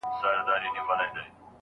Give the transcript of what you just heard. چي د سپوږمۍ په شپه له لیري یکه زار اورمه